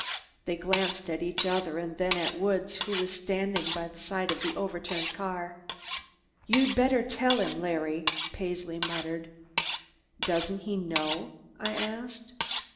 They glanced at each other and then at Woods, who was standing by the side of the overturned car. "You'd better tell him, Larry," Paisley muttered. "Doesn't he know?" I asked.